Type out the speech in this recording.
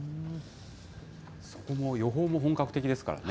そこも予報も本格的ですからね。